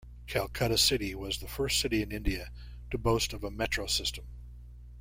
Calcutta city was the first city in India to boast of a metro-system.